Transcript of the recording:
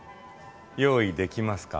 用意できますか？